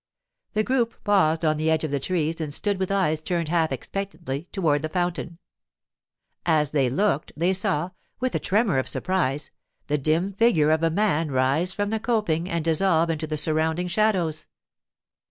The group paused on the edge of the trees and stood with eyes turned half expectantly toward the fountain. As they looked, they saw, with a tremor of surprise, the dim figure of a man rise from the coping and dissolve into the surrounding shadows.